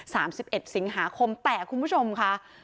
สามสิบเอ็ดสิงหาคมแต่คุณผู้ชมค่ะ